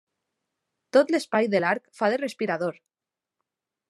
Tot l'espai de l'arc fa de respirador.